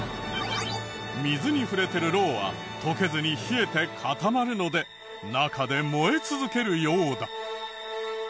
水に触れてるロウは溶けずに冷えて固まるので中で燃え続けるようだ。